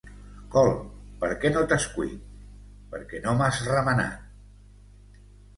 Col, per què no t'has cuit? Perquè no m'has remenat.